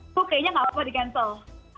bu kayaknya gak apa apa di cancel